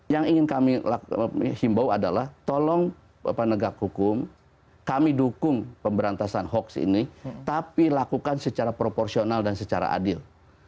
yang ingin kami himbau adalah tolong penegak hukum kami dukung pemberantasan hoax ini tapi lakukan secara proporsional dan secara adil